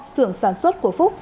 sưởng sản xuất của phúc